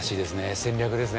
戦略ですね